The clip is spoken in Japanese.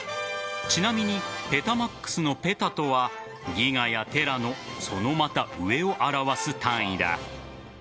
ちなみにペタマックスのペタとはギガやテラのそのまた上を表す単位だ。